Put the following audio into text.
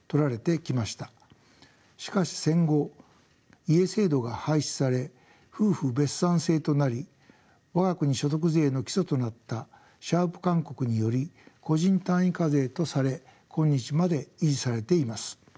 しかし戦後家制度が廃止され夫婦別産制となり我が国所得税の基礎となったシャウプ勧告により個人単位課税とされ今日まで維持されています。